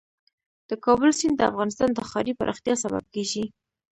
د کابل سیند د افغانستان د ښاري پراختیا سبب کېږي.